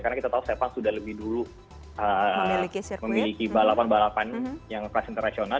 karena kita tahu cepang sudah lebih dulu memiliki balapan balapan yang kelas internasional